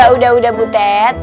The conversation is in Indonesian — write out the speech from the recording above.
eh udah udah udah butet